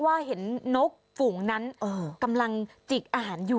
ว่าเห็นนกฝูงนั้นกำลังจิกอาหารอยู่